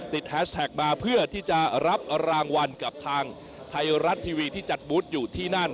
แฮชแท็กมาเพื่อที่จะรับรางวัลกับทางไทยรัฐทีวีที่จัดบูธอยู่ที่นั่น